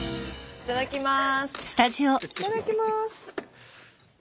いただきます。